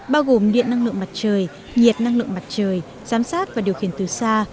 bao gồm điện năng lượng mặt trời nhiệt năng lượng mặt trời giám sát và điều khiển từ xa